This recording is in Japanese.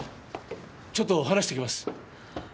ちょっと話してきます！